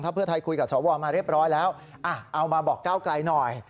เพื่อไทยคุยกับสวมาเรียบร้อยแล้วเอามาบอกก้าวไกลหน่อย